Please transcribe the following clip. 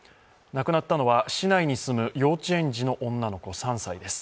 亡くなったのは、市内に住む幼稚園児の女の子３歳です。